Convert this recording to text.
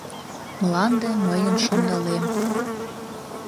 Мланде — мыйын шондалем.